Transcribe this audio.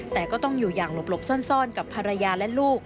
แต่ก็ต้องอยู่อย่างหลบซ่อนกับภรรยาและลูก